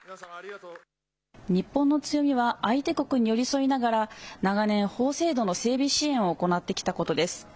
日本の強みは相手国に寄り添いながら長年、法制度の整備支援を行ってきたことです。